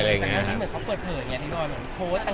แต่ตอนนี้เหมือนเขาเปิดเผยอย่างนี้บ่อย